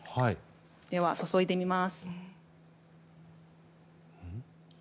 では、注いでみます。